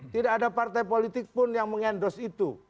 tidak ada partai politik pun yang mengendos itu